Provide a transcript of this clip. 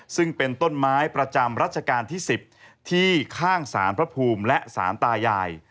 ซึ่งเป็นต้นไม้ประจำรัชกาลที่๑๐ที่ข้างสารพระภูมิและสารตายาย